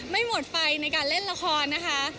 ไม่หมดไฟในการเล่นละครนะคะ